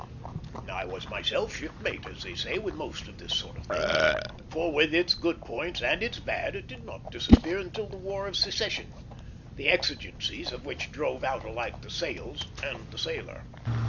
I was myself shipmate, as they say, with most of this sort of thing; for with its good points and its bad it did not disappear until the War of Secession, the exigencies of which drove out alike the sails and the sailor.